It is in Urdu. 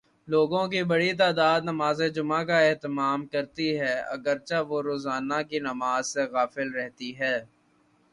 لوگوں کی بڑی تعداد نمازجمعہ کا اہتمام کرتی ہے، اگر چہ وہ روزانہ کی نماز سے غافل رہتی ہے۔